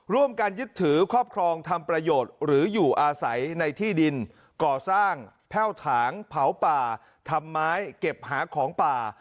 ร่วมกันยึดถือครอบครองทำประโยชน์หรืออยู่อาศัยในที่ดินก่อสร้างแพ่วถางเผาป่าทำไม้เก็บหาของป่า